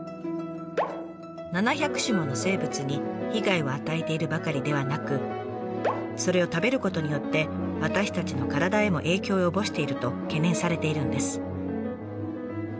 ７００種もの生物に被害を与えているばかりではなくそれを食べることによって私たちの体へも影響を及ぼしていると懸念されているんです。